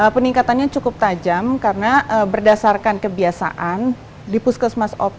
peningkatannya cukup tajam karena berdasarkan kebiasaan di puskesmas opini